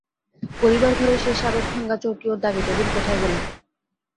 পড়িবার ঘরে সেই সাবেক ভাঙা চৌকি ও দাগি টেবিল কোথায় গেল।